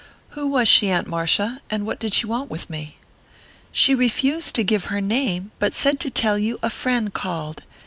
"Who was she, Aunt Marcia? and what did she want with me?" "She refused to give her name, but said to tell you 'a friend' called.